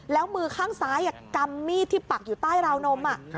แล้วมือข้างซ้ายกำมีดที่ปักอยู่ใต้ราวนม